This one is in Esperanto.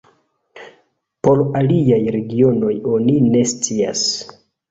Por aliaj regionoj oni ne scias.